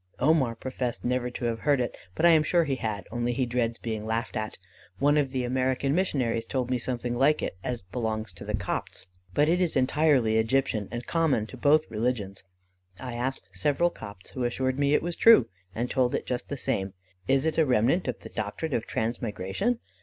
"Omar professed never to have heard it, but I am sure he had, only he dreads being laughed at. One of the American missionaries told me something like it, as belonging to the Copts; but it is entirely Egyptian, and common to both religions. I asked several Copts, who assured me it was true, and told it just the same. Is it a remnant of the doctrine of transmigration?